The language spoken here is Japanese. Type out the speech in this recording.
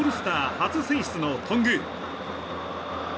初選出の頓宮。